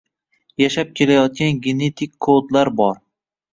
Yashab kelayotgan genetik kodlar bor.